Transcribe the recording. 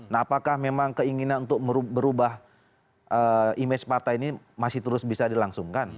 nah apakah memang keinginan untuk berubah image partai ini masih terus bisa dilangsungkan